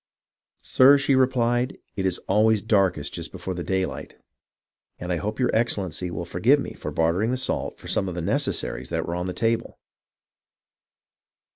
"Sir," she replied, "it is always darkest just before day light, and I hope your Excellency will forgive me for barter ing the salt for some of the necessaries that were on the table."